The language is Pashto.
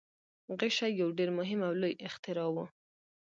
غشی یو ډیر مهم او لوی اختراع و.